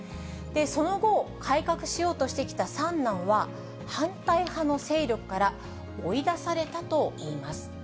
その後、改革しようとしてきた三男は、反対派の勢力から追い出されたといいます。